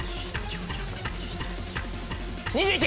２１！